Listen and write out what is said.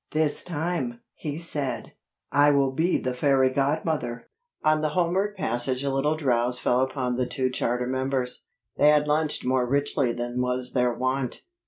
"This time," he said, "I will be the ferry godmother." On the homeward passage a little drowse fell upon the two charter members. They had lunched more richly than was their wont.